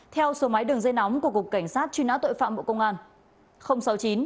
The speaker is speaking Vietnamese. theo số máy đường dây nóng của cục cảnh sát truy nã tội phạm bộ công an